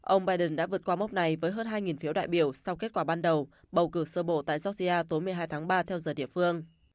ông biden đã vượt qua mốc này với hơn hai phiếu đại biểu sau kết quả ban đầu bầu cử sơ bộ tại georgia tối một mươi hai tháng ba theo giờ địa phương